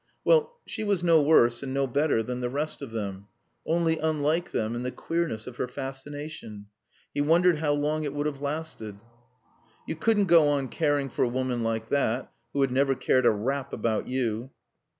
Well she was no worse, and no better than the rest of them. Only unlike them in the queerness of her fascination. He wondered how long it would have lasted? You couldn't go on caring for a woman like that, who had never cared a rap about you.